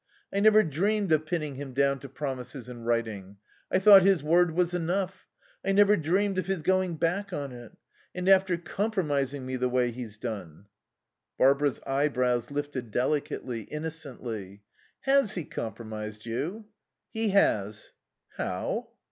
I never dreamed of pinning him down to promises in writing. I thought his word was enough. I never dreamed of his going back on it. And after compromising me the way he's done." Barbara's eyebrows lifted delicately, innocently. "Has he compromised you?" "He has." "How?"